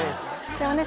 でもね